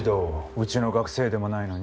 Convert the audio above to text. うちの学生でもないのに？